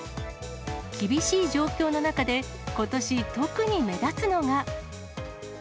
厳しい状況の中で、ことし、特に目立つのが。